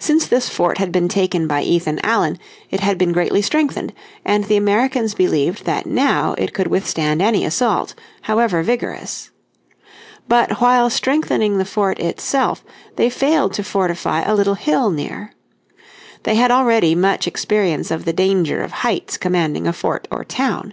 Since this fort had been taken by Ethan Allen it had been greatly strengthened, and the Americans believed that now it could withstand any assault, however vigorous. But while strengthening the fort itself they failed to fortify a little hill near. They had already much experience of the danger of heights commanding a town or fort.